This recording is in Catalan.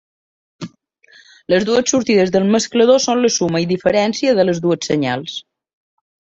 Les dues sortides del mesclador són la suma i diferència de les dues senyals.